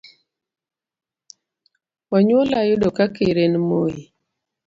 Onyuola ayudo ka ker en Moi.